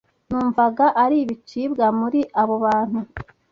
Numvaga ari ibicibwa muri abo bantu.